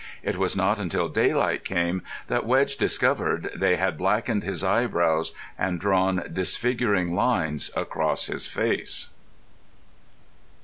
It was not until daylight came that Wedge discovered they had blackened his eyebrows and drawn disfiguring lines across his face.